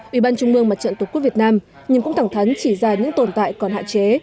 ủy ban trung mương mặt trận tổ quốc việt nam nhưng cũng thẳng thắn chỉ ra những tồn tại còn hạn chế